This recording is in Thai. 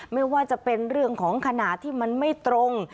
ไม่ว่าจะเป็นเรื่องของขนาดที่มันไม่ตรง